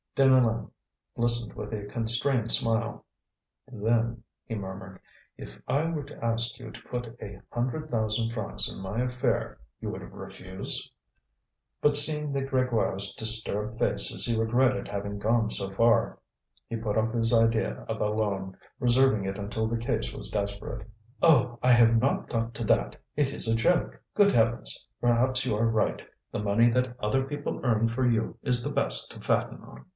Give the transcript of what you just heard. Deneulin listened with a constrained smile. "Then," he murmured, "if I were to ask you to put a hundred thousand francs in my affair you would refuse?" But seeing the Grégoires' disturbed faces he regretted having gone so far; he put off his idea of a loan, reserving it until the case was desperate. "Oh! I have not got to that! it is a joke. Good heavens! Perhaps you are right; the money that other people earn for you is the best to fatten on."